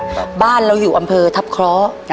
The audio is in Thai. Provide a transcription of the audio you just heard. บ้านเราอยู่อำเภอทัพเคราะห์